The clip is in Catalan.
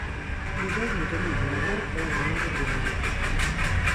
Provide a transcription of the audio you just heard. Dijous en Genís i na Blau volen anar a Borriana.